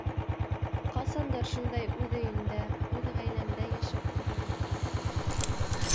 Ҡасандыр шундай үҙ өйөңдә, үҙ ғаиләңдә йәшәп ҡарағы килә.